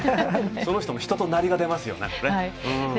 その人の人となりが出ますよね。